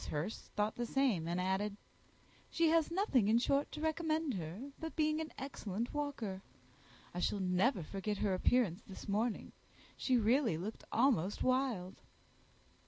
Hurst thought the same, and added, "She has nothing, in short, to recommend her, but being an excellent walker. I shall never forget her appearance this morning. She really looked almost wild."